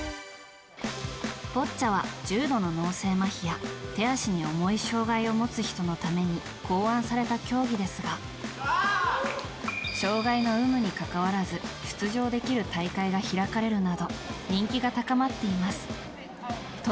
ボッチャは重度の脳性麻痺や手足に重い障害を持つ人のために考案された競技ですが障害の有無にかかわらず出場できる大会が開かれるなど人気が高まっています。